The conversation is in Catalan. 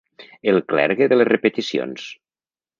El clergue de les repeticions.